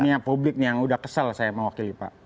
ini yang publik nih yang sudah kesel saya mewakili pak